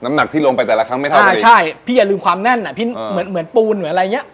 หนักที่ลงไปแต่ละครั้งไม่เท่ากันเลยใช่พี่อย่าลืมความแน่นอ่ะพี่เหมือนเหมือนปูนเหมือนอะไรอย่างเงี้ย